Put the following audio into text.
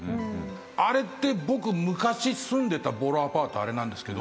あれって僕昔住んでたぼろアパートあれなんですけど。